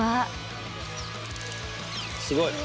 すごい。